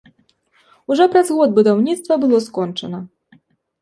Ужо праз год будаўніцтва было скончана.